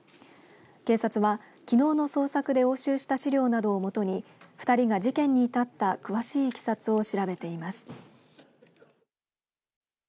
警察は、きのうの捜索で押収した資料などをもとに２人が事件に至った詳しいいきさつを調べています。